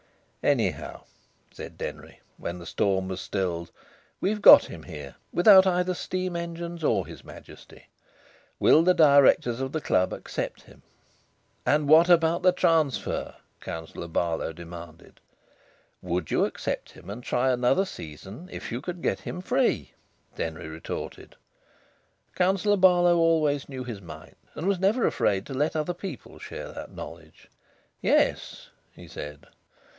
"Anyhow," said Denry, when the storm was stilled, "we've got him here, without either steam engines or His Majesty. Will the Directors of the club accept him?" "And what about the transfer?" Councillor Barlow demanded. "Would you accept him and try another season if you could get him free?" Denry retorted. Councillor Barlow always knew his mind, and was never afraid to let other people share that knowledge. "Yes," he said.